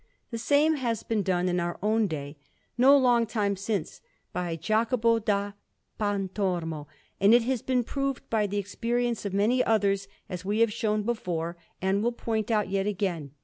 The same has been done in our own day, no long time since, by Jacopo da Pontormo, and it has been proved by the experience of many others, as we have shown before and will point out yet again.